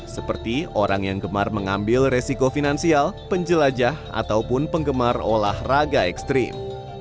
seperti orang yang gemar mengambil resiko finansial penjelajah ataupun penggemar olahraga ekstrim